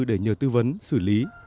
để nhờ tư vấn xử lý